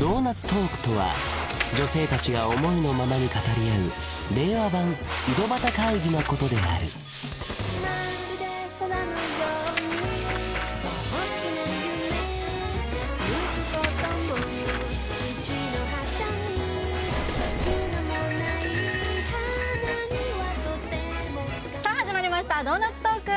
ドーナツトークとは女性達が思いのままに語り合う令和版井戸端会議のことであるさあ始まりました「ドーナツトーク」！